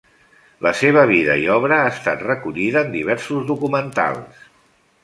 La seva vida i obra ha estat recollida en diversos documentals.